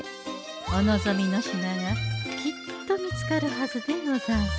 お望みの品がきっと見つかるはずでござんす。